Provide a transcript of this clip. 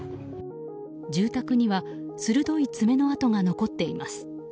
住宅には鋭い爪の跡が残っています。